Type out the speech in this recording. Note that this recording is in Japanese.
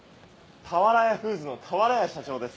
俵屋フーズの俵屋社長です。